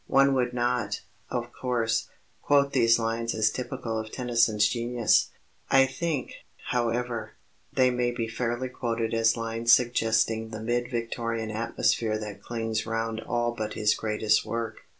One would not, of course, quote these lines as typical of Tennyson's genius. I think, however, they may be fairly quoted as lines suggesting the mid Victorian atmosphere that clings round all but his greatest work.